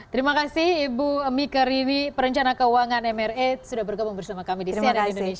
terima kasih ibu mika riwi perencana keuangan mra sudah bergabung bersama kami di cnn indonesia